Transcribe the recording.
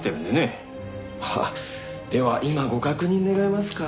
ああでは今ご確認願えますか？